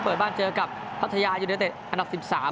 เปิดบ้านเจอกับพัทยายูเนเต็ดอันดับ๑๓